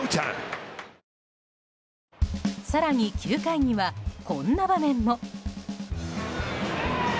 更に９回にはこんな場面も。